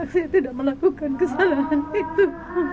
saya tidak melakukan kesalahan itu